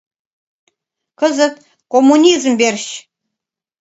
Кызыт — «Коммунизм верч».